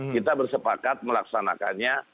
kita bersepakat melaksanakannya